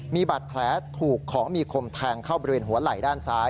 มีบาดแผลถูกของมีคมแทงเข้าบริเวณหัวไหล่ด้านซ้าย